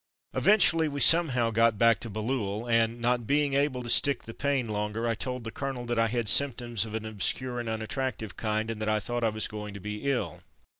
Eventually we somehow got back to Bailleul and, not being able to stick the pain longer, I told the colonel that I had symp toms of an obscure and unattractive kind, and that I thought I was going to be ill.